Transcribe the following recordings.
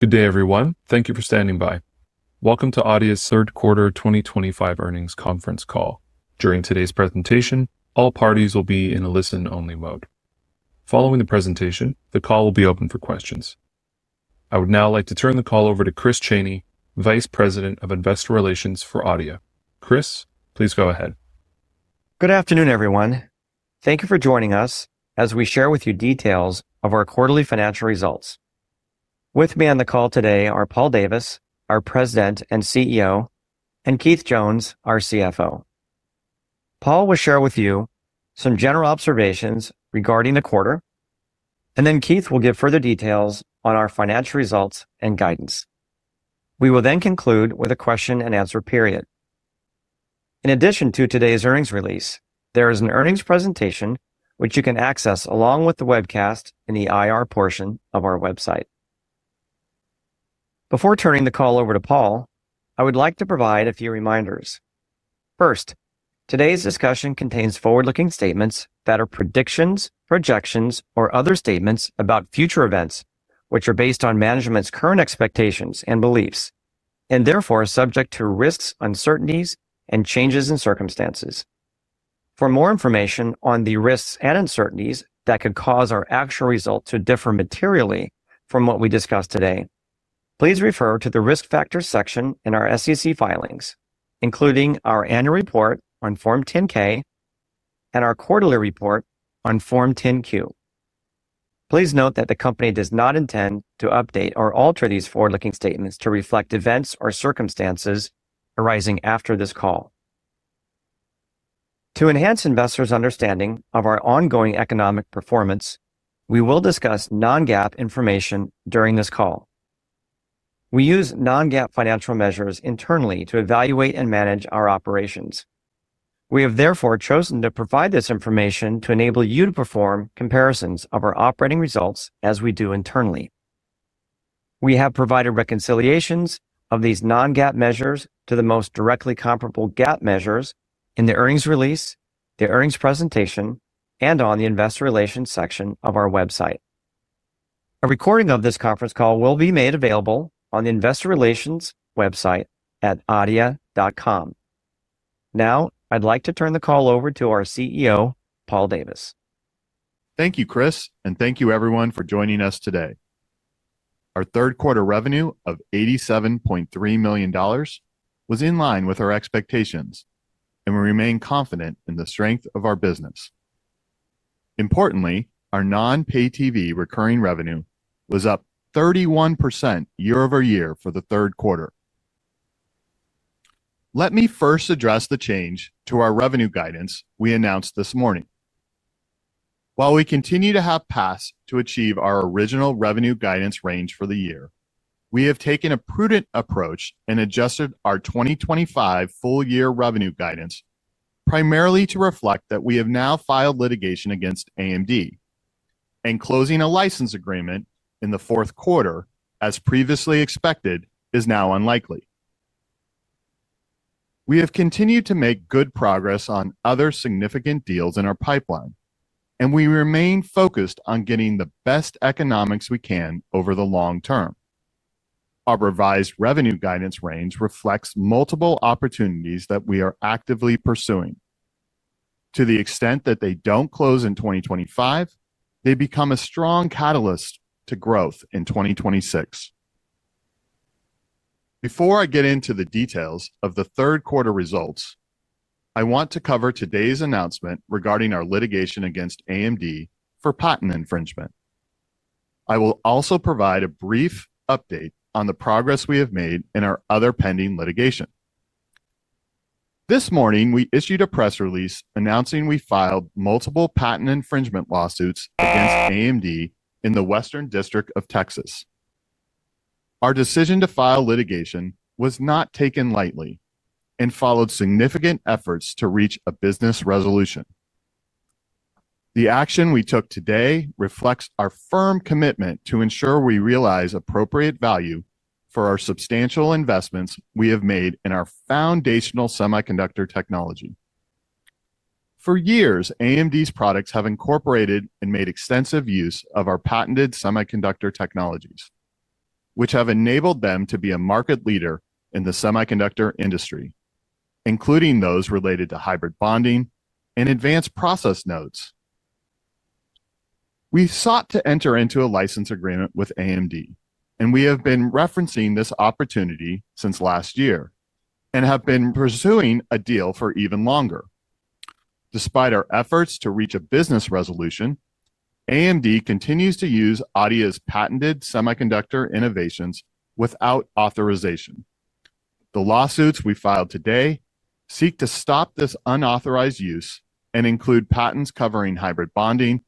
Good day, everyone. Thank you for standing by. Welcome to Adeia's Third Quarter 2025 Earnings Conference Call. During today's presentation, all parties will be in a listen-only mode. Following the presentation, the call will be open for questions. I would now like to turn the call over to Chris Chaney, Vice President of Investor Relations for Adeia. Chris, please go ahead. Good afternoon, everyone. Thank you for joining us as we share with you details of our quarterly financial results. With me on the call today are Paul Davis, our President and CEO, and Keith Jones, our CFO. Paul will share with you some general observations regarding the quarter, and then Keith will give further details on our financial results and guidance. We will then conclude with a question-and-answer period. In addition to today's earnings release, there is an earnings presentation which you can access along with the webcast in the IR portion of our website. Before turning the call over to Paul, I would like to provide a few reminders. First, today's discussion contains forward-looking statements that are predictions, projections, or other statements about future events which are based on management's current expectations and beliefs, and therefore subject to risks, uncertainties, and changes in circumstances. For more information on the risks and uncertainties that could cause our actual results to differ materially from what we discussed today, please refer to the risk factors section in our SEC filings, including our annual report on Form 10-K and our quarterly report on Form 10-Q. Please note that the company does not intend to update or alter these forward-looking statements to reflect events or circumstances arising after this call. To enhance investors' understanding of our ongoing economic performance, we will discuss non-GAAP information during this call. We use non-GAAP financial measures internally to evaluate and manage our operations. We have therefore chosen to provide this information to enable you to perform comparisons of our operating results as we do internally. We have provided reconciliations of these non-GAAP measures to the most directly comparable GAAP measures in the earnings release, the earnings presentation, and on the investor relations section of our website. A recording of this conference call will be made available on the investor relations website at adeia.com. Now, I'd like to turn the call over to our CEO, Paul Davis. Thank you, Chris, and thank you, everyone, for joining us today. Our third quarter revenue of $87.3 million was in line with our expectations, and we remain confident in the strength of our business. Importantly, our non-Pay TV recurring revenue was up 31% year over year for the third quarter. Let me first address the change to our revenue guidance we announced this morning. While we continue to have paths to achieve our original revenue guidance range for the year, we have taken a prudent approach and adjusted our 2025 full-year revenue guidance primarily to reflect that we have now filed litigation against AMD. Closing a license agreement in the fourth quarter, as previously expected, is now unlikely. We have continued to make good progress on other significant deals in our pipeline, and we remain focused on getting the best economics we can over the long term. Our revised revenue guidance range reflects multiple opportunities that we are actively pursuing. To the extent that they do not close in 2025, they become a strong catalyst to growth in 2026. Before I get into the details of the third quarter results, I want to cover today's announcement regarding our litigation against AMD for patent infringement. I will also provide a brief update on the progress we have made in our other pending litigation. This morning, we issued a press release announcing we filed multiple patent infringement lawsuits against AMD in the Western District of Texas. Our decision to file litigation was not taken lightly and followed significant efforts to reach a business resolution. The action we took today reflects our firm commitment to ensure we realize appropriate value for our substantial investments we have made in our foundational semiconductor technology. For years, AMD's products have incorporated and made extensive use of our patented semiconductor technologies, which have enabled them to be a market leader in the semiconductor industry, including those related to hybrid bonding and advanced process nodes. We sought to enter into a license agreement with AMD, and we have been referencing this opportunity since last year and have been pursuing a deal for even longer. Despite our efforts to reach a business resolution, AMD continues to use Adeia's patented semiconductor innovations without authorization. The lawsuits we filed today seek to stop this unauthorized use and include patents covering hybrid bonding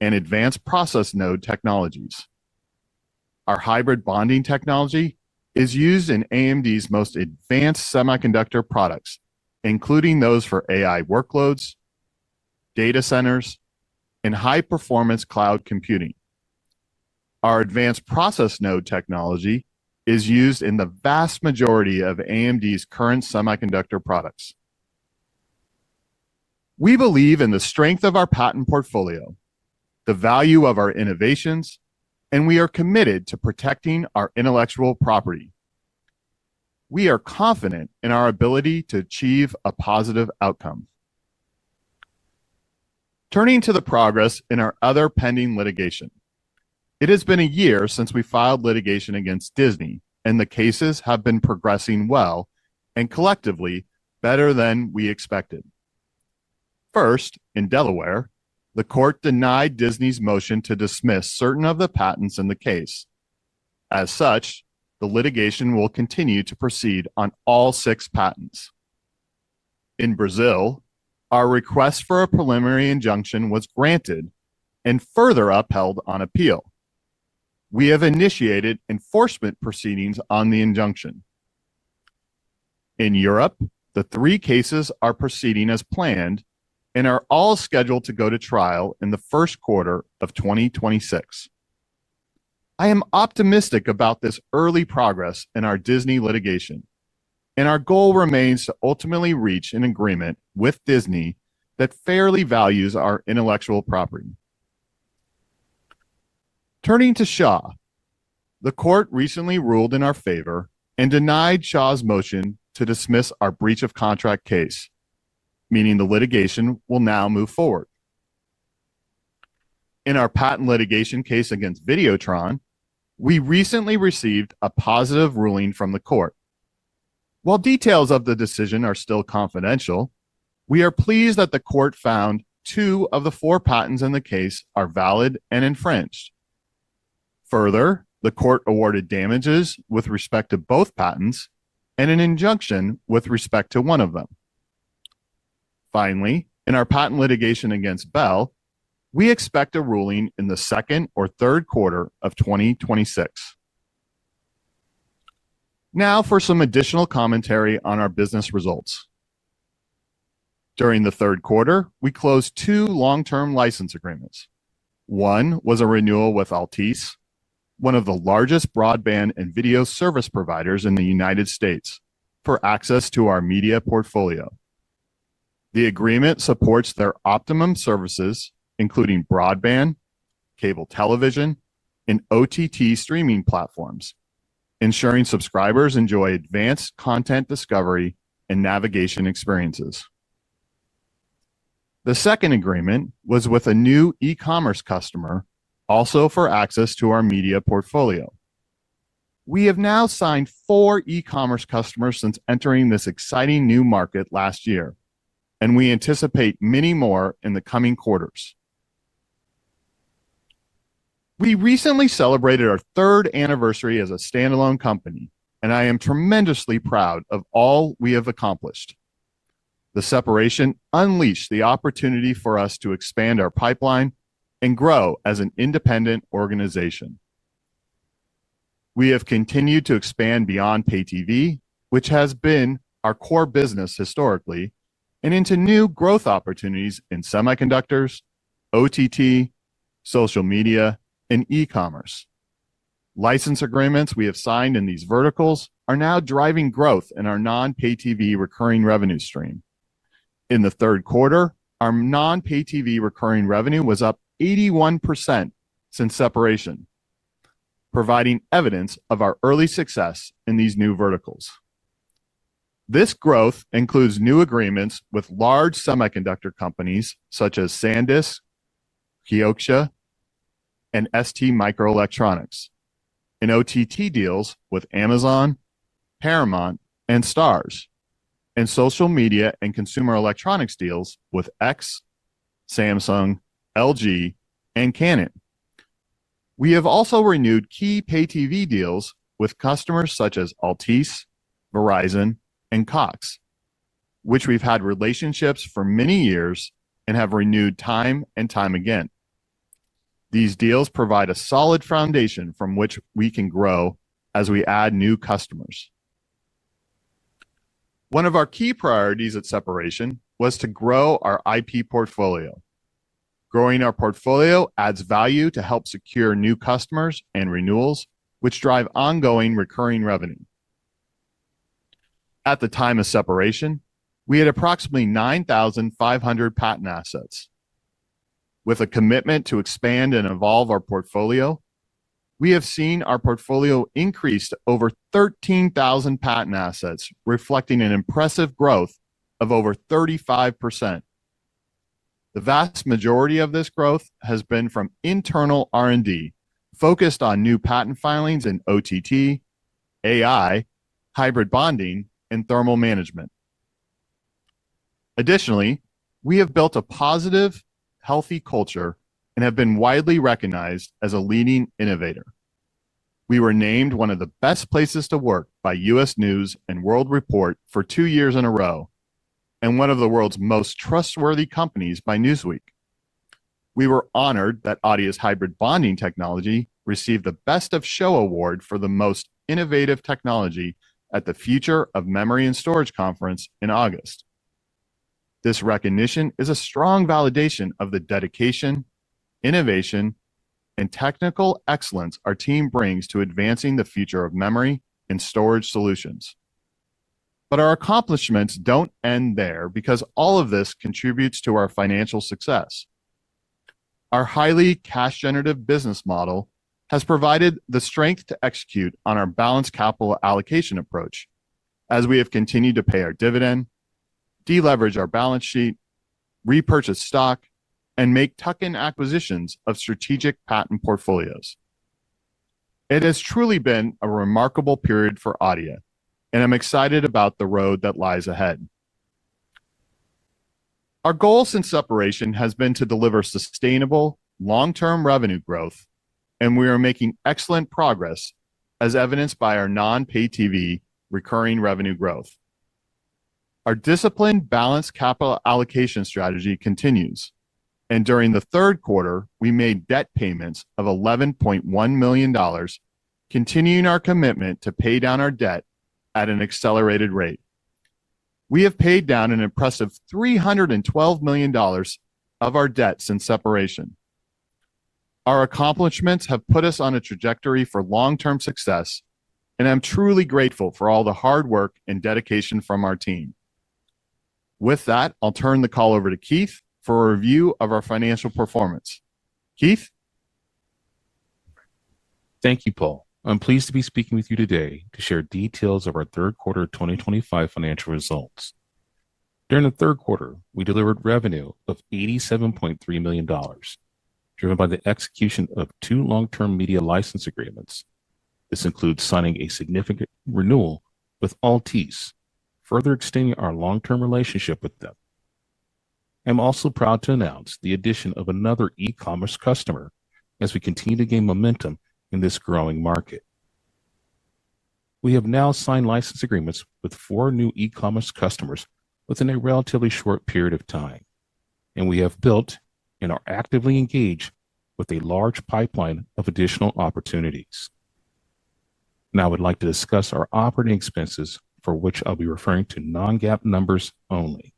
and advanced process node technologies. Our hybrid bonding technology is used in AMD's most advanced semiconductor products, including those for AI workloads, data centers, and high-performance cloud computing. Our advanced process node technology is used in the vast majority of AMD's current semiconductor products. We believe in the strength of our patent portfolio, the value of our innovations, and we are committed to protecting our intellectual property. We are confident in our ability to achieve a positive outcome. Turning to the progress in our other pending litigation, it has been a year since we filed litigation against Disney, and the cases have been progressing well and collectively better than we expected. First, in Delaware, the court denied Disney's motion to dismiss certain of the patents in the case. As such, the litigation will continue to proceed on all six patents. In Brazil, our request for a preliminary injunction was granted and further upheld on appeal. We have initiated enforcement proceedings on the injunction. In Europe, the three cases are proceeding as planned and are all scheduled to go to trial in the first quarter of 2026. I am optimistic about this early progress in our Disney litigation, and our goal remains to ultimately reach an agreement with Disney that fairly values our intellectual property. Turning to Shaw, the court recently ruled in our favor and denied Shaw's motion to dismiss our breach-of-contract case, meaning the litigation will now move forward. In our patent litigation case against Vidéotron, we recently received a positive ruling from the court. While details of the decision are still confidential, we are pleased that the court found two of the four patents in the case are valid and infringed. Further, the court awarded damages with respect to both patents and an injunction with respect to one of them. Finally, in our patent litigation against Bell, we expect a ruling in the second or third quarter of 2026. Now for some additional commentary on our business results. During the third quarter, we closed two long-term license agreements. One was a renewal with Altice, one of the largest broadband and video service providers in the United States, for access to our media portfolio. The agreement supports their Optimum services, including broadband, cable television, and OTT streaming platforms, ensuring subscribers enjoy advanced content discovery and navigation experiences. The second agreement was with a new e-commerce customer, also for access to our media portfolio. We have now signed four e-commerce customers since entering this exciting new market last year, and we anticipate many more in the coming quarters. We recently celebrated our third anniversary as a standalone company, and I am tremendously proud of all we have accomplished. The separation unleashed the opportunity for us to expand our pipeline and grow as an independent organization. We have continued to expand beyond Pay TV, which has been our core business historically, and into new growth opportunities in semiconductors, OTT, social media, and e-commerce. License agreements we have signed in these verticals are now driving growth in our non-Pay TV recurring revenue stream. In the third quarter, our non-Pay TV recurring revenue was up 81% since separation, providing evidence of our early success in these new verticals. This growth includes new agreements with large semiconductor companies such as Sandisk, Kioxia, and STMicroelectronics, and OTT deals with Amazon, Paramount, and Starz, and social media and consumer electronics deals with X, Samsung, LG, and Canon. We have also renewed key Pay TV deals with customers such as Altice, Verizon, and Cox, which we've had relationships for many years and have renewed time and time again. These deals provide a solid foundation from which we can grow as we add new customers. One of our key priorities at separation was to grow our IP portfolio. Growing our portfolio adds value to help secure new customers and renewals, which drive ongoing recurring revenue. At the time of separation, we had approximately 9,500 patent assets. With a commitment to expand and evolve our portfolio, we have seen our portfolio increase to over 13,000 patent assets, reflecting an impressive growth of over 35%. The vast majority of this growth has been from internal R&D focused on new patent filings in OTT, AI, hybrid bonding, and thermal management. Additionally, we have built a positive, healthy culture and have been widely recognized as a leading innovator. We were named one of the best places to work by U.S. News & World Report for two years in a row and one of the world's most trustworthy companies by Newsweek. We were honored that Adeia's hybrid bonding technology received the Best of Show Award for the most innovative technology at the Future of Memory and Storage Conference in August. This recognition is a strong validation of the dedication, innovation, and technical excellence our team brings to advancing the future of memory and storage solutions. Our accomplishments do not end there because all of this contributes to our financial success. Our highly cash-generative business model has provided the strength to execute on our balanced capital allocation approach, as we have continued to pay our dividend, deleverage our balance sheet, repurchase stock, and make tuck-in acquisitions of strategic patent portfolios. It has truly been a remarkable period for Adeia, and I'm excited about the road that lies ahead. Our goal since separation has been to deliver sustainable, long-term revenue growth, and we are making excellent progress, as evidenced by our non-Pay TV recurring revenue growth. Our disciplined balanced capital allocation strategy continues, and during the third quarter, we made debt payments of $11.1 million, continuing our commitment to pay down our debt at an accelerated rate. We have paid down an impressive $312 million of our debt since separation. Our accomplishments have put us on a trajectory for long-term success, and I'm truly grateful for all the hard work and dedication from our team. With that, I'll turn the call over to Keith for a review of our financial performance. Keith? Thank you, Paul. I'm pleased to be speaking with you today to share details of our third quarter 2025 financial results. During the third quarter, we delivered revenue of $87.3 million, driven by the execution of two long-term media license agreements. This includes signing a significant renewal with Altice, further extending our long-term relationship with them. I'm also proud to announce the addition of another e-commerce customer as we continue to gain momentum in this growing market. We have now signed license agreements with four new e-commerce customers within a relatively short period of time, and we have built and are actively engaged with a large pipeline of additional opportunities. Now I would like to discuss our operating expenses, for which I'll be referring to non-GAAP numbers only.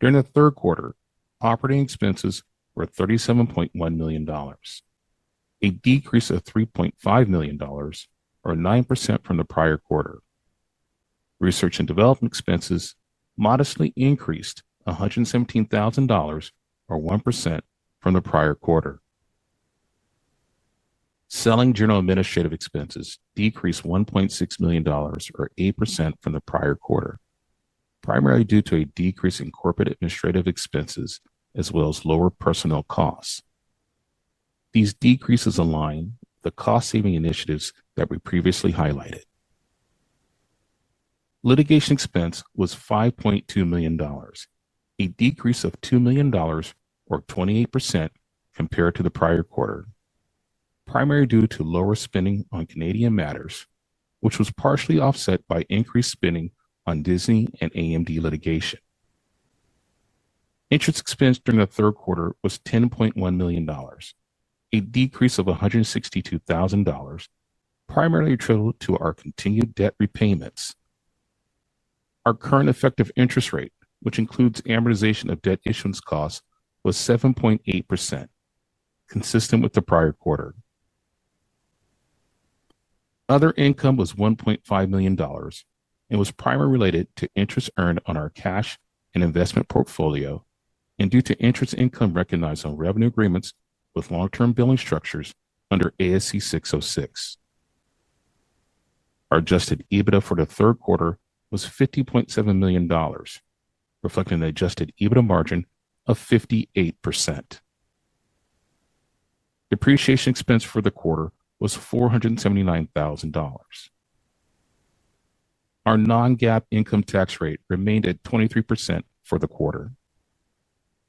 During the third quarter, operating expenses were $37.1 million, a decrease of $3.5 million, or 9% from the prior quarter. Research and development expenses modestly increased $117,000, or 1% from the prior quarter. Selling general administrative expenses decreased $1.6 million, or 8% from the prior quarter, primarily due to a decrease in corporate administrative expenses as well as lower personnel costs. These decreases align with the cost-saving initiatives that we previously highlighted. Litigation expense was $5.2 million, a decrease of $2 million, or 28% compared to the prior quarter, primarily due to lower spending on Canadian matters, which was partially offset by increased spending on Disney and AMD litigation. Interest expense during the third quarter was $10.1 million, a decrease of $162,000, primarily attributed to our continued debt repayments. Our current effective interest rate, which includes amortization of debt issuance costs, was 7.8%, consistent with the prior quarter. Other income was $1.5 million and was primarily related to interest earned on our cash and investment portfolio and due to interest income recognized on revenue agreements with long-term billing structures under ASC 606. Our adjusted EBITDA for the third quarter was $50.7 million, reflecting the adjusted EBITDA margin of 58%. Depreciation expense for the quarter was $479,000. Our non-GAAP income tax rate remained at 23% for the quarter.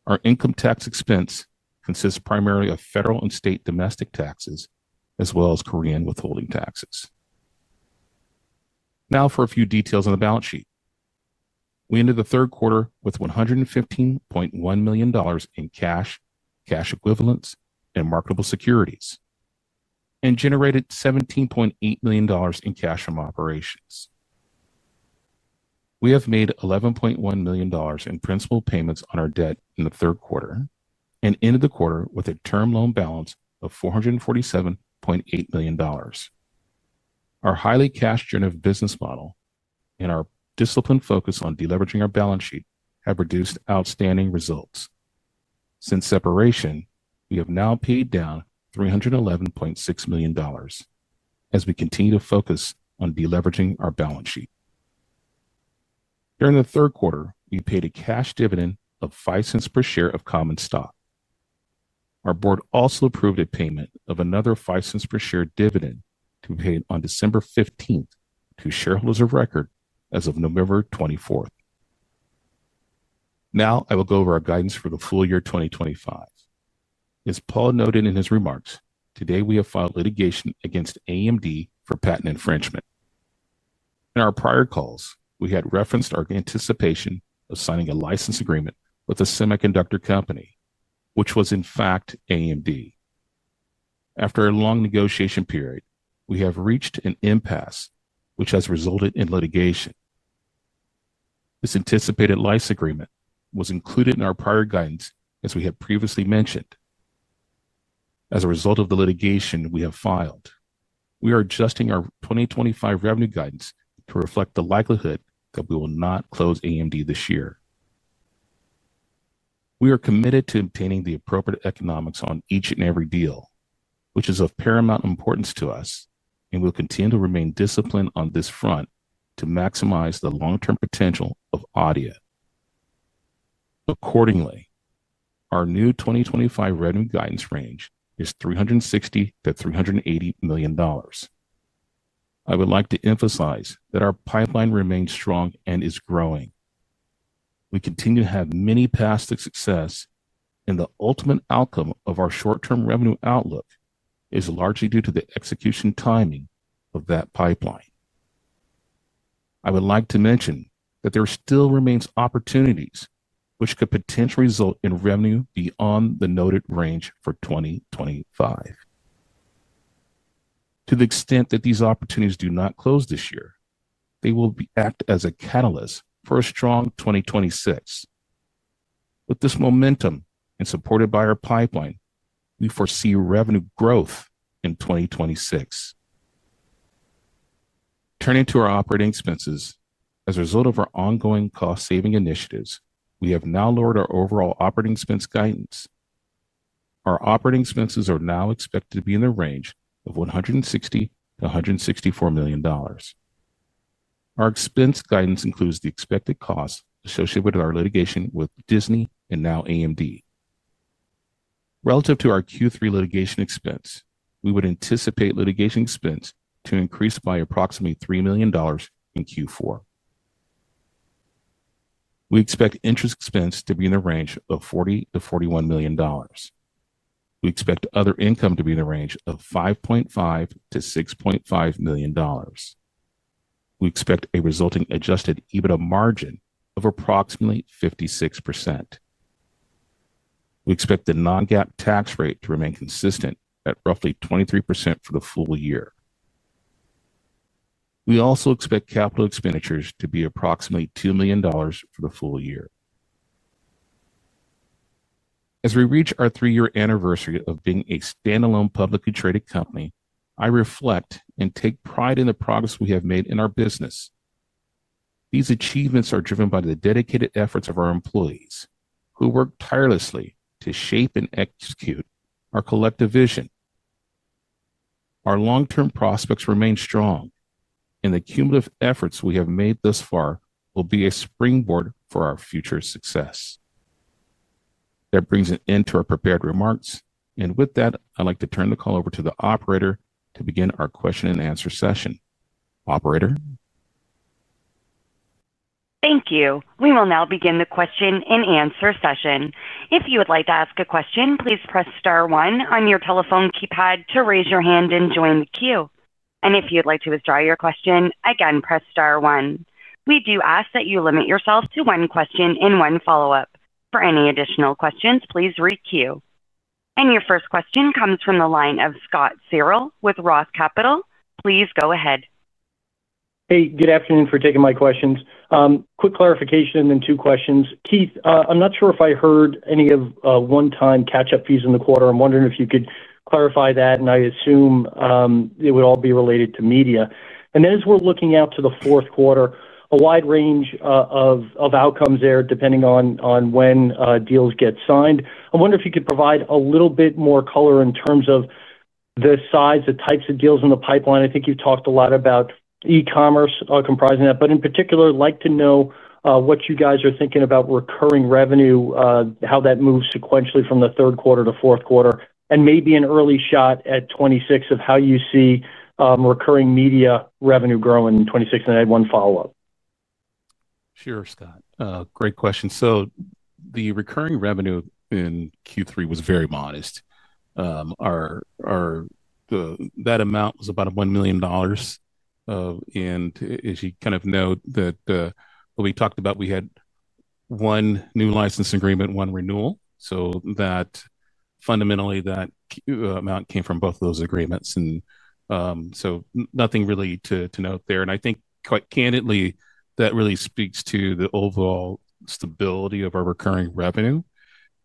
Our income tax expense consists primarily of federal and state domestic taxes as well as Korean withholding taxes. Now for a few details on the balance sheet. We ended the third quarter with $115.1 million in cash, cash equivalents, and marketable securities, and generated $17.8 million in cash from operations. We have made $11.1 million in principal payments on our debt in the third quarter and ended the quarter with a term loan balance of $447.8 million. Our highly cash-generative business model and our disciplined focus on deleveraging our balance sheet have produced outstanding results. Since separation, we have now paid down $311.6 million as we continue to focus on deleveraging our balance sheet. During the third quarter, we paid a cash dividend of 5 cents per share of common stock. Our board also approved a payment of another 5 cents per share dividend to be paid on December 15th to shareholders of record as of November 24th. Now I will go over our guidance for the full year 2025. As Paul noted in his remarks, today we have filed litigation against AMD for patent infringement. In our prior calls, we had referenced our anticipation of signing a license agreement with a semiconductor company, which was in fact AMD. After a long negotiation period, we have reached an impasse, which has resulted in litigation. This anticipated license agreement was included in our prior guidance, as we have previously mentioned. As a result of the litigation we have filed, we are adjusting our 2025 revenue guidance to reflect the likelihood that we will not close AMD this year. We are committed to obtaining the appropriate economics on each and every deal, which is of paramount importance to us, and we'll continue to remain disciplined on this front to maximize the long-term potential of Adeia. Accordingly, our new 2025 revenue guidance range is $360 million-$380 million. I would like to emphasize that our pipeline remains strong and is growing. We continue to have many paths to success, and the ultimate outcome of our short-term revenue outlook is largely due to the execution timing of that pipeline. I would like to mention that there still remains opportunities which could potentially result in revenue beyond the noted range for 2025. To the extent that these opportunities do not close this year, they will act as a catalyst for a strong 2026. With this momentum and supported by our pipeline, we foresee revenue growth in 2026. Turning to our operating expenses, as a result of our ongoing cost-saving initiatives, we have now lowered our overall operating expense guidance. Our operating expenses are now expected to be in the range of $160 million-$164 million. Our expense guidance includes the expected costs associated with our litigation with Disney and now AMD. Relative to our Q3 litigation expense, we would anticipate litigation expense to increase by approximately $3 million in Q4. We expect interest expense to be in the range of $40 million-$41 million. We expect other income to be in the range of $5.5 million-$6.5 million. We expect a resulting adjusted EBITDA margin of approximately 56%. We expect the non-GAAP tax rate to remain consistent at roughly 23% for the full year. We also expect capital expenditures to be approximately $2 million for the full year. As we reach our three-year anniversary of being a standalone publicly traded company, I reflect and take pride in the progress we have made in our business. These achievements are driven by the dedicated efforts of our employees, who work tirelessly to shape and execute our collective vision. Our long-term prospects remain strong, and the cumulative efforts we have made thus far will be a springboard for our future success. That brings an end to our prepared remarks, and with that, I'd like to turn the call over to the operator to begin our question and answer session. Operator. Thank you. We will now begin the question and answer session. If you would like to ask a question, please press star one on your telephone keypad to raise your hand and join the queue. If you'd like to withdraw your question, again, press star one. We do ask that you limit yourself to one question and one follow-up. For any additional questions, please requeue. Your first question comes from the line of Scott Searle with Roth Capital. Please go ahead. Hey, good afternoon. Thank you for taking my questions. Quick clarification and then two questions. Keith, I'm not sure if I heard any one-time catch-up fees in the quarter. I'm wondering if you could clarify that, and I assume it would all be related to media. As we're looking out to the fourth quarter, a wide range of outcomes there depending on when deals get signed. I wonder if you could provide a little bit more color in terms of the size, the types of deals in the pipeline. I think you've talked a lot about e-commerce comprising that, but in particular, I'd like to know what you guys are thinking about recurring revenue, how that moves sequentially from the third quarter to fourth quarter, and maybe an early shot at 2026 of how you see recurring media revenue growing in 2026. I had one follow-up. Sure, Scott. Great question. The recurring revenue in Q3 was very modest. That amount was about $1 million. As you kind of note, what we talked about we had one new license agreement, one renewal. Fundamentally, that amount came from both of those agreements. Nothing really to note there. I think, quite candidly, that really speaks to the overall stability of our recurring revenue.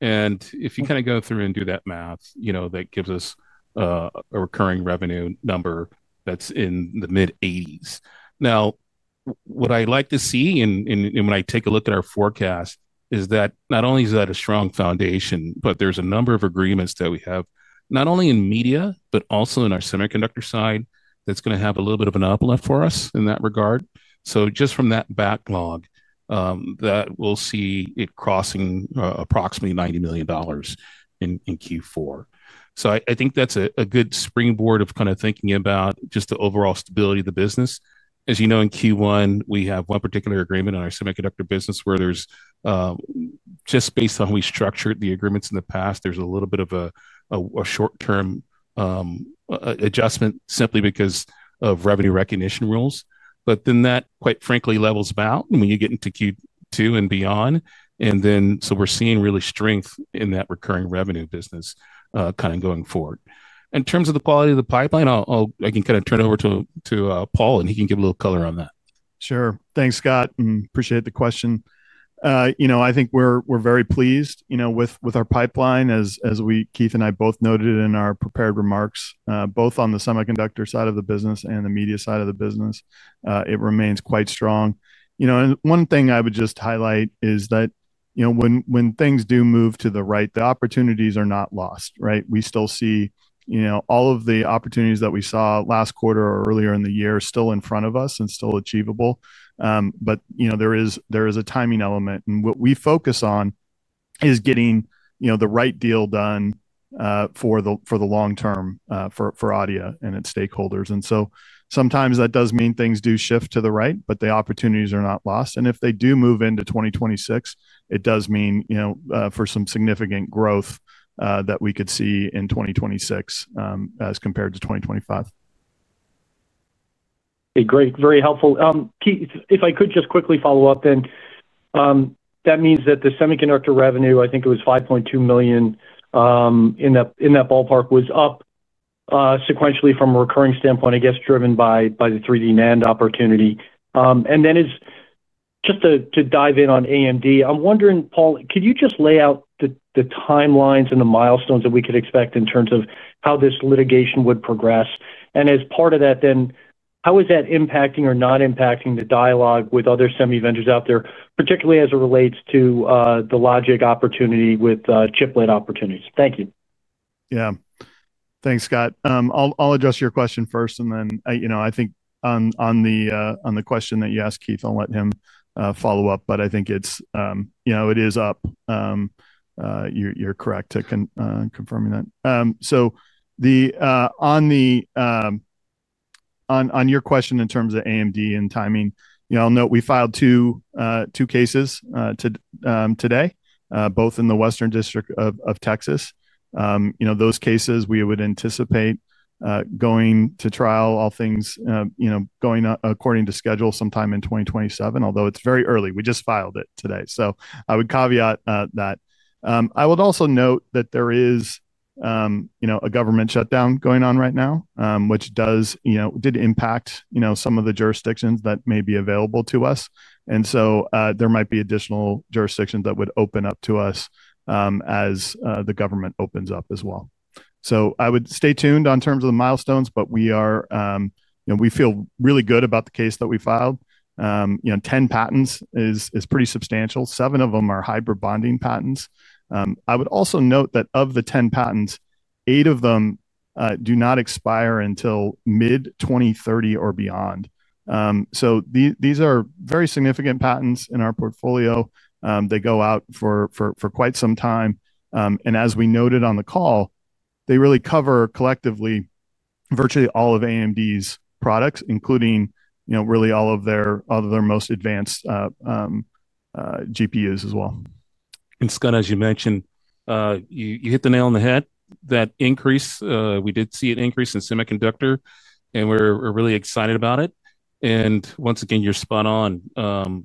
If you kind of go through and do that math, that gives us a recurring revenue number that's in the mid-80s. Now, what I'd like to see when I take a look at our forecast is that not only is that a strong foundation, but there's a number of agreements that we have not only in media, but also in our semiconductor side that's going to have a little bit of an uplift for us in that regard. Just from that backlog, we'll see it crossing approximately $90 million in Q4. I think that's a good springboard for kind of thinking about just the overall stability of the business. As you know, in Q1, we have one particular agreement on our semiconductor business where there's, just based on how we structured the agreements in the past, a little bit of a short-term adjustment simply because of revenue recognition rules. Quite frankly, that levels out when you get into Q2 and beyond. We're seeing really strength in that recurring revenue business going forward. In terms of the quality of the pipeline, I can turn it over to Paul, and he can give a little color on that. Sure. Thanks, Scott. Appreciate the question. I think we're very pleased with our pipeline, as Keith and I both noted in our prepared remarks, both on the semiconductor side of the business and the media side of the business. It remains quite strong. One thing I would just highlight is that when things do move to the right, the opportunities are not lost, right? We still see all of the opportunities that we saw last quarter or earlier in the year still in front of us and still achievable. There is a timing element. What we focus on is getting the right deal done for the long term for Adeia and its stakeholders. Sometimes that does mean things do shift to the right, but the opportunities are not lost. If they do move into 2026, it does mean for some significant growth that we could see in 2026 as compared to 2025. Hey, great. Very helpful. Keith, if I could just quickly follow up, then. That means that the semiconductor revenue, I think it was $5.2 million, in that ballpark, was up sequentially from a recurring standpoint, I guess, driven by the 3D NAND opportunity. Just to dive in on AMD, I'm wondering, Paul, could you just lay out the timelines and the milestones that we could expect in terms of how this litigation would progress? As part of that, then, how is that impacting or not impacting the dialogue with other semi vendors out there, particularly as it relates to the logic opportunity with chiplet opportunities? Thank you. Yeah. Thanks, Scott. I'll address your question first, and then I think on the question that you asked, Keith, I'll let him follow up. I think it is up. You're correct to confirming that. On your question in terms of AMD and timing, I'll note we filed two cases today, both in the Western District of Texas. Those cases, we would anticipate going to trial, all things going according to schedule sometime in 2027, although it's very early. We just filed it today, so I would caveat that. I would also note that there is a government shutdown going on right now, which did impact some of the jurisdictions that may be available to us. There might be additional jurisdictions that would open up to us as the government opens up as well. I would stay tuned on terms of the milestones, but we feel really good about the case that we filed. Ten patents is pretty substantial. Seven of them are hybrid bonding patents. I would also note that of the ten patents, eight of them do not expire until mid-2030 or beyond. These are very significant patents in our portfolio. They go out for quite some time. As we noted on the call, they really cover collectively virtually all of AMD's products, including really all of their most advanced GPUs as well. Scott, as you mentioned. You hit the nail on the head. That increase, we did see it increase in semiconductor, and we're really excited about it. Once again, you're spot on.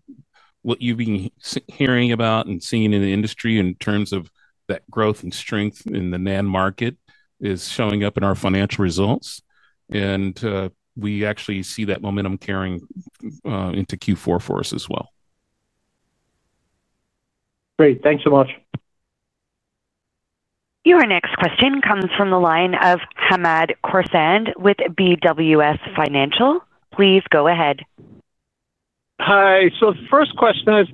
What you've been hearing about and seeing in the industry in terms of that growth and strength in the NAND market is showing up in our financial results. We actually see that momentum carrying into Q4 for us as well. Great. Thanks so much. Your next question comes from the line of Hamed Khorsand with BWS Financial. Please go ahead. Hi. So the first question is,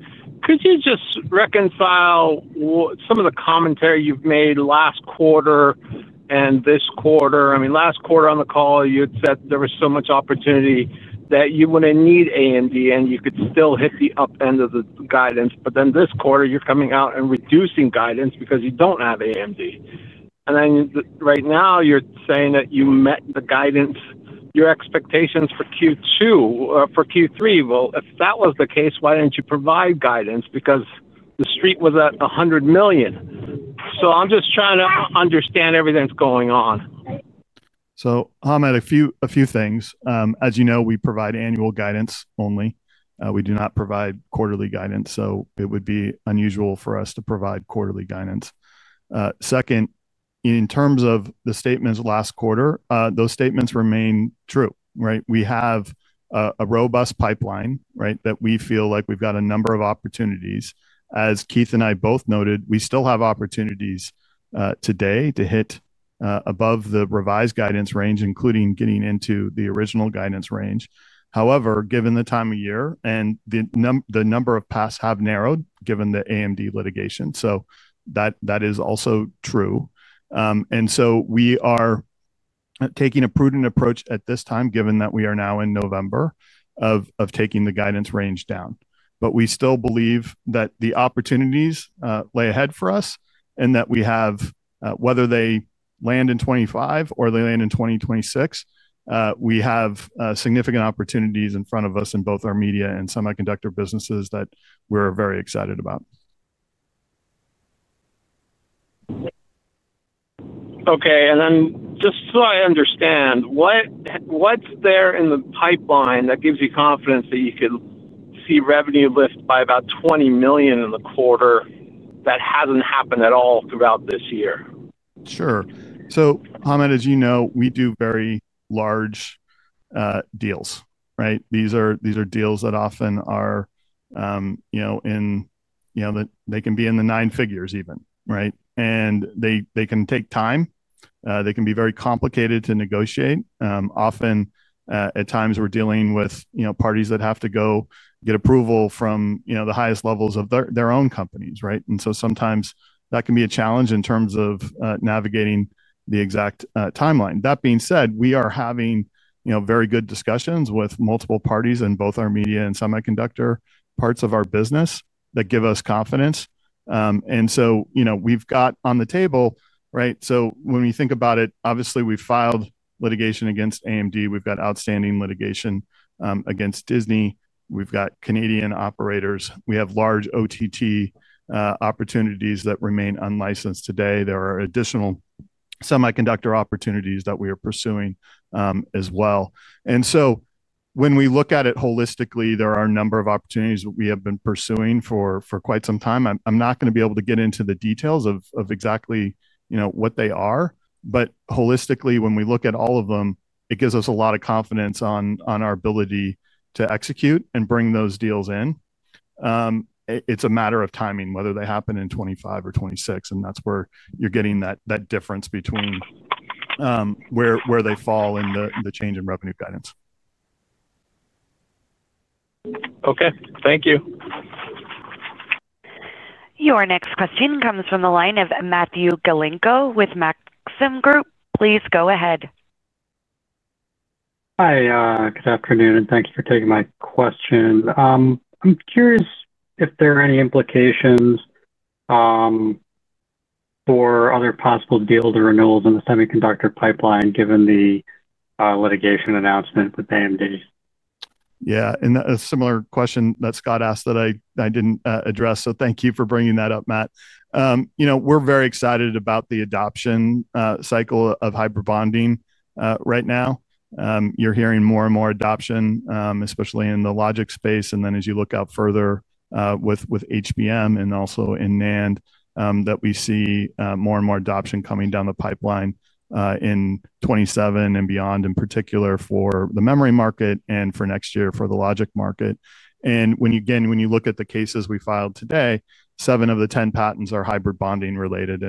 could you just reconcile some of the commentary you've made last quarter and this quarter? I mean, last quarter on the call, you had said there was so much opportunity that you wouldn't need AMD, and you could still hit the up end of the guidance. Then this quarter, you're coming out and reducing guidance because you don't have AMD. Right now, you're saying that you met the guidance, your expectations for Q2 or for Q3. If that was the case, why didn't you provide guidance? Because the street was at $100 million. I'm just trying to understand everything that's going on. So Hamed, a few things. As you know, we provide annual guidance only. We do not provide quarterly guidance. It would be unusual for us to provide quarterly guidance. Second, in terms of the statements last quarter, those statements remain true, right? We have a robust pipeline, right, that we feel like we've got a number of opportunities. As Keith and I both noted, we still have opportunities today to hit above the revised guidance range, including getting into the original guidance range. However, given the time of year and the number of paths have narrowed given the AMD litigation. That is also true. We are taking a prudent approach at this time, given that we are now in November, of taking the guidance range down. We still believe that the opportunities lay ahead for us and that we have, whether they land in 2025 or they land in 2026. We have significant opportunities in front of us in both our media and semiconductor businesses that we're very excited about. Okay. Just so I understand, what's there in the pipeline that gives you confidence that you could see revenue lift by about $20 million in the quarter that hasn't happened at all throughout this year? Sure. So Hamed, as you know, we do very large deals, right? These are deals that often are in—they can be in the nine figures even, right? They can take time. They can be very complicated to negotiate. Often, at times, we're dealing with parties that have to go get approval from the highest levels of their own companies, right? Sometimes that can be a challenge in terms of navigating the exact timeline. That being said, we are having very good discussions with multiple parties in both our media and semiconductor parts of our business that give us confidence. We have got on the table, right? When we think about it, obviously, we have filed litigation against AMD. We have outstanding litigation against Disney. We have Canadian operators. We have large OTT opportunities that remain unlicensed today. There are additional semiconductor opportunities that we are pursuing as well. When we look at it holistically, there are a number of opportunities that we have been pursuing for quite some time. I am not going to be able to get into the details of exactly what they are. Holistically, when we look at all of them, it gives us a lot of confidence on our ability to execute and bring those deals in. It is a matter of timing, whether they happen in 2025 or 2026. That is where you are getting that difference between where they fall in the change in revenue guidance. Okay. Thank you. Your next question comes from the line of Matthew Galinko with Maxim Group. Please go ahead. Hi. Good afternoon. Thanks for taking my question. I am curious if there are any implications for other possible deals or renewals in the semiconductor pipeline given the litigation announcement with AMD. Yeah. A similar question that Scott asked that I did not address. Thank you for bringing that up, Matt. We are very excited about the adoption cycle of hybrid bonding right now. You are hearing more and more adoption, especially in the logic space. As you look out further with HBM and also in NAND, we see more and more adoption coming down the pipeline in 2027 and beyond, in particular for the memory market and for next year for the logic market. When you look at the cases we filed today, seven of the ten patents are hybrid bonding related.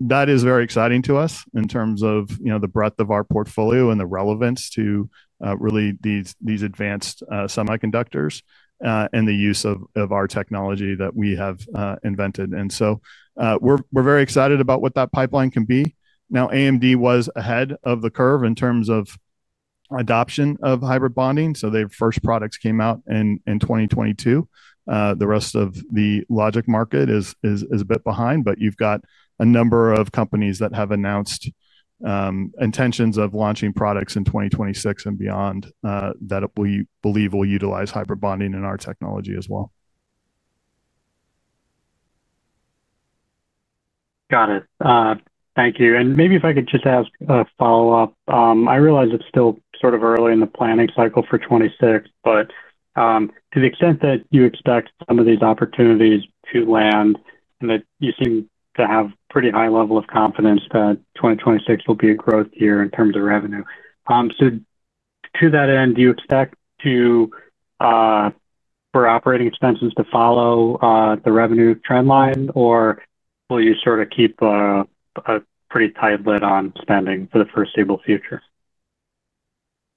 That is very exciting to us in terms of the breadth of our portfolio and the relevance to these advanced semiconductors and the use of our technology that we have invented. We are very excited about what that pipeline can be. AMD was ahead of the curve in terms of adoption of hybrid bonding. Their first products came out in 2022. The rest of the logic market is a bit behind. You have a number of companies that have announced intentions of launching products in 2026 and beyond that we believe will utilize hybrid bonding and our technology as well. Got it. Thank you. Maybe if I could just ask a follow-up, I realize it is still sort of early in the planning cycle for 2026, but to the extent that you expect some of these opportunities to land and that you seem to have a pretty high level of confidence that 2026 will be a growth year in terms of revenue. To that end, do you expect for operating expenses to follow the revenue trendline, or will you sort of keep a pretty tight lid on spending for the foreseeable future?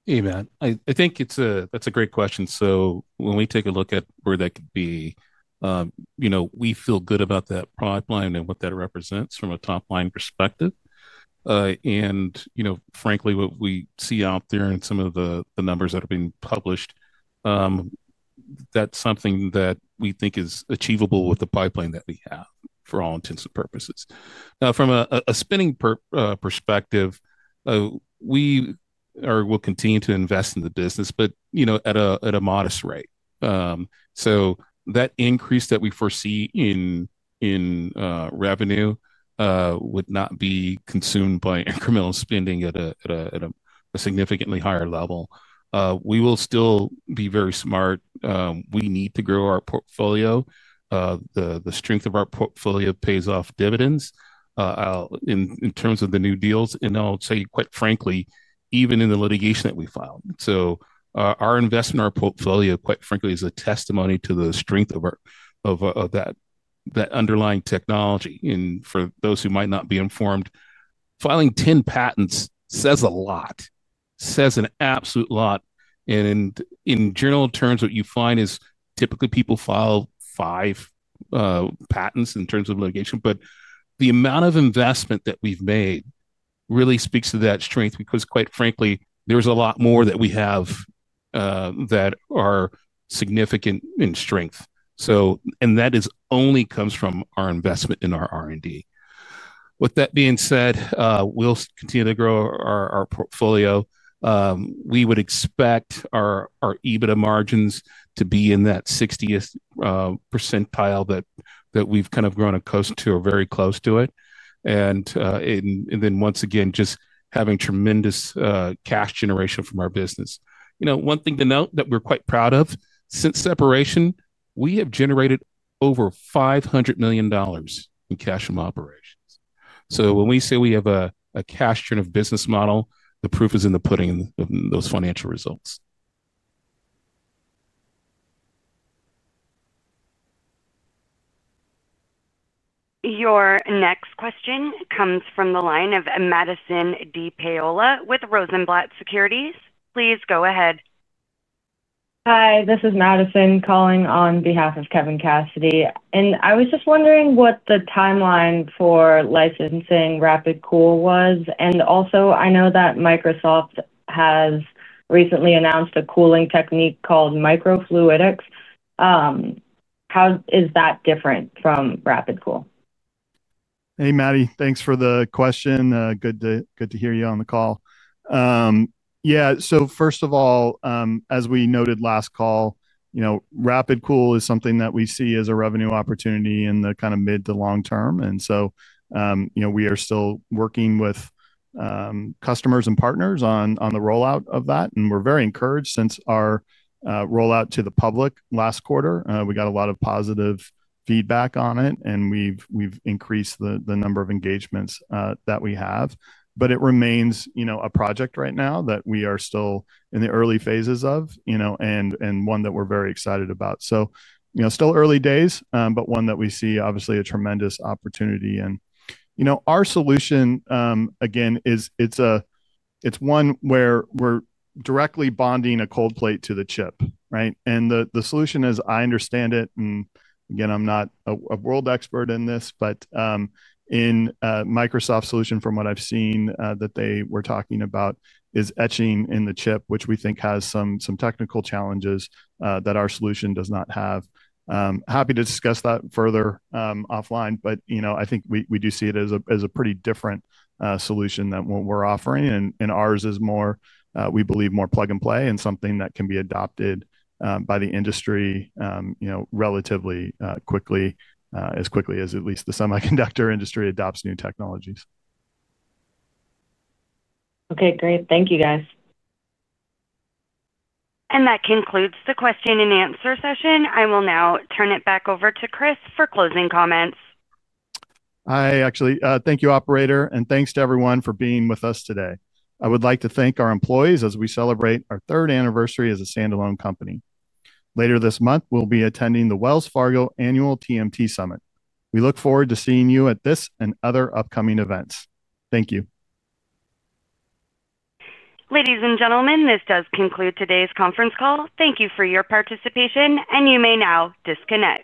Hey, Matt. I think that's a great question. When we take a look at where that could be, we feel good about that pipeline and what that represents from a top-line perspective. Frankly, what we see out there in some of the numbers that are being published, that's something that we think is achievable with the pipeline that we have for all intents and purposes. Now, from a spending perspective, we will continue to invest in the business, but at a modest rate. That increase that we foresee in revenue would not be consumed by incremental spending at a significantly higher level. We will still be very smart. We need to grow our portfolio. The strength of our portfolio pays off dividends in terms of the new deals. I'll tell you, quite frankly, even in the litigation that we filed. Our investment, our portfolio, quite frankly, is a testimony to the strength of that underlying technology. For those who might not be informed, filing 10 patents says a lot, says an absolute lot. In general terms, what you find is typically people file five patents in terms of litigation. The amount of investment that we've made really speaks to that strength because, quite frankly, there's a lot more that we have that are significant in strength. That only comes from our investment in our R&D. With that being said, we'll continue to grow our portfolio. We would expect our EBITDA margins to be in that 60th percentile that we've kind of grown accustomed to or very close to it. Once again, just having tremendous cash generation from our business. One thing to note that we're quite proud of, since separation, we have generated over $500 million in cash from operations. When we say we have a cash-turn of business model, the proof is in the pudding of those financial results. Your next question comes from the line of Madison De Paola with Rosenblatt Securities. Please go ahead. Hi. This is Madison calling on behalf of Kevin Cassidy. I was just wondering what the timeline for licensing RapidCool was. Also, I know that Microsoft has recently announced a cooling technique called microfluidics. How is that different from RapidCool? Hey, Maddie. Thanks for the question. Good to hear you on the call. First of all, as we noted last call, RapidCool is something that we see as a revenue opportunity in the kind of mid to long term. We are still working with customers and partners on the rollout of that, and we're very encouraged since our rollout to the public last quarter. We got a lot of positive feedback on it, and we've increased the number of engagements that we have. It remains a project right now that we are still in the early phases of and one that we're very excited about. Still early days, but one that we see, obviously, a tremendous opportunity. Our solution, again, it's one where we're directly bonding a cold plate to the chip, right? The solution, as I understand it, and again, I'm not a world expert in this, but in Microsoft's solution, from what I've seen that they were talking about, is etching in the chip, which we think has some technical challenges that our solution does not have. Happy to discuss that further offline. I think we do see it as a pretty different solution than what we're offering. Ours is, we believe, more plug and play and something that can be adopted by the industry relatively quickly, as quickly as at least the semiconductor industry adopts new technologies. Okay. Great. Thank you, guys. That concludes the question-and-answer session. I will now turn it back over to Chris for closing comments. Hi, actually. Thank you, operator. Thanks to everyone for being with us today. I would like to thank our employees as we celebrate our third anniversary as a standalone company. Later this month, we'll be attending the Wells Fargo Annual TMT Summit. We look forward to seeing you at this and other upcoming events. Thank you. Ladies and gentlemen, this does conclude today's conference call. Thank you for your participation. You may now disconnect.